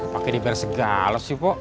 pakai diberi segala sih pok